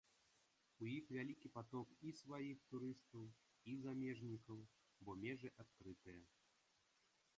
У іх вялікі паток і сваіх турыстаў, і замежнікаў, бо межы адкрытыя.